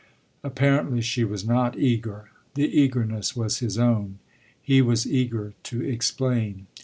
Apparently she was not eager; the eagerness was his own he was eager to explain.